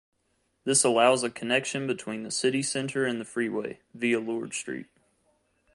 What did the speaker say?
This allows a connection between the city centre and the freeway, via Lord Street.